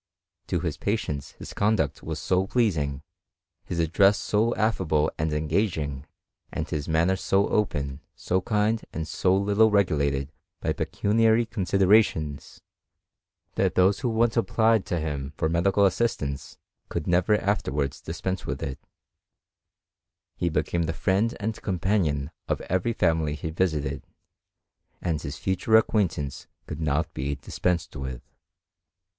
To his patients his conduct was so pleasing, his address so affable and engaging, and his manner so open, so kind, and so little regulated by pecuniary considerations, that those who once applied to him for medical assistance could never afterwards dispense with it: he became the friend and companion of every family he visited, and his fu ture acquaintance could not be dispensed with.